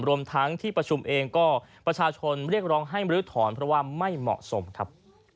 รวมทั้งที่ประชุมเองก็ประชาชนเรียกร้องให้มรื้อถอนเพราะว่าไม่เหมาะสมครับ